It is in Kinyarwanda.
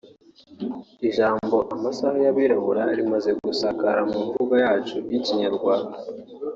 Ijambo “amasaha y’abirabura” rimaze gusakara mu mvugo yacu y’ikinyarwanda